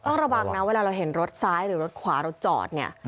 ต้องระวังนะเวลาเราเห็นรถซ้ายหรือรถขวาเราจอดเนี่ย